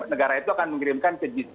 negara itu akan mengirimkan ke g delapan